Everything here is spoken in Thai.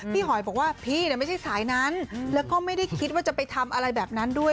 หอยบอกว่าพี่ไม่ใช่สายนั้นแล้วก็ไม่ได้คิดว่าจะไปทำอะไรแบบนั้นด้วย